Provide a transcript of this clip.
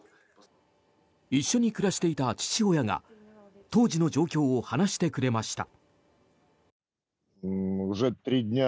一緒に暮らしていた父親が当時の状況を話してくれました。